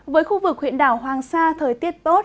với khu vực huyện đảo hoàng sa thời tiết tốt